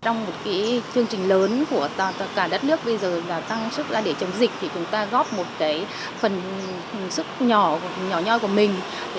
trong một cái chương trình lớn của tất cả đất nước bây giờ là tăng sức ra để chống dịch thì chúng ta góp một cái phần sức nhỏ nhỏ nhoi của mình